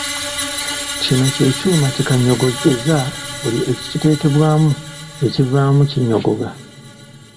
Kino kye kyuma kikannyogogeza buli ekikiteekebwamu ekivaamu kinnyogoga.